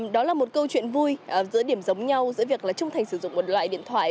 đó là một câu chuyện vui giữa điểm giống nhau giữa việc trung thành sử dụng một loại điện thoại